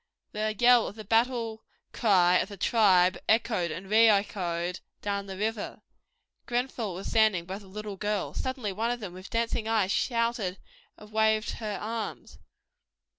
The yell of the battle cry of the tribe echoed and re echoed down the river. Grenfell was standing by the little girls. Suddenly one of them with dancing eyes shouted and waved her arms.